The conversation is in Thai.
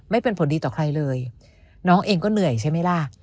ไม่เป็นผลดีต่อใครเลยน้องเองก็เหนื่อยใช่ไหมล่ะ